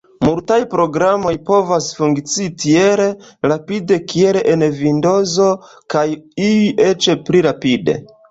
Multaj programoj povas funkcii tiel rapide kiel en Vindozo, kaj iuj eĉ pli rapide.